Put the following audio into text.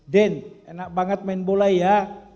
den enak banget main bola ya